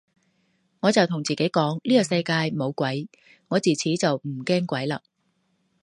我就同自己講呢個世界冇鬼，我自此就唔驚鬼嘞